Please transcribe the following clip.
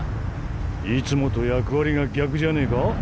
いつもと役割が逆じゃねえか？